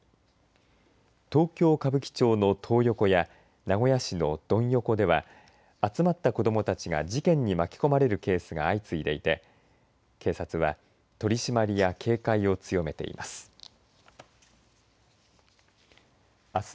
東京、歌舞伎町のトー横や名古屋市のドン横では集まった子どもたちが事件に巻き込まれるケースが相次いでいて、警察は取り締まりや警戒を強めています。